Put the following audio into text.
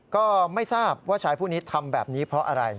ก็ไม่ทราบว่าชายผู้นี้ทำแบบนี้เพราะอะไร